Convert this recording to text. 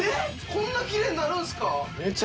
こんなキレイになるんすか？